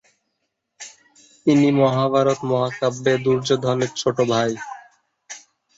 ইনি মহাভারত মহাকাব্যে দুর্যোধনের ছোট ভাই।